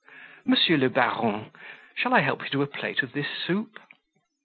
Monsieur le baron, shall I help you to a plate of this soup?"